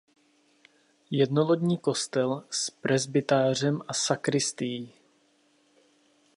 Jednolodní kostel s presbytářem a sakristií.